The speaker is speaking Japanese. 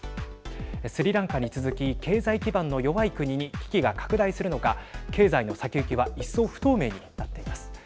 スリランカに続き経済基盤の弱い国に危機が拡大するのか経済の先行きは一層、不透明になっています。